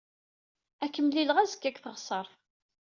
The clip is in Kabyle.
Ad k-mlileɣ azekka deg teɣsert.